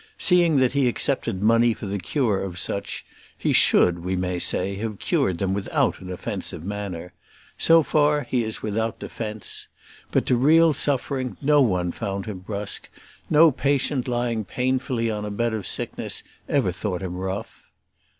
Seeing that he accepted money for the cure of such, he should, we may say, have cured them without an offensive manner. So far he is without defence. But to real suffering no one found him brusque; no patient lying painfully on a bed of sickness ever thought him rough.